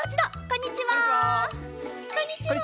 こんにちは。